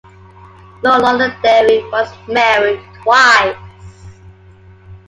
Lord Londonderry was married twice.